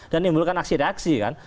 dan menimbulkan aksi reaksi kan